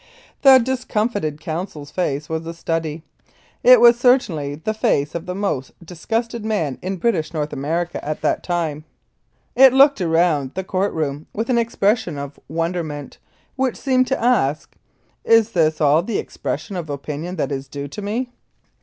The discomfited counsel's face was a study. It was certainly the face of the most disgusted man in British North America at that time. It looked around the court room with an, expression of wonderment, which seemed to ask, "Is this all the expression of opinion that is due to me?